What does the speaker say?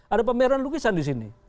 ada pameran lukisan di sini